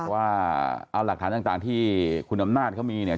ว่าเอาหลักฐานต่างที่คุณอำนาจเขามีเนี่ย